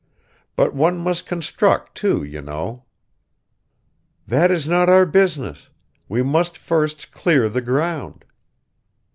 . But one must construct, too, you know." "That is not our business ... we must first clear the ground."